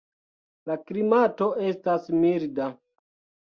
La klimato estas milda.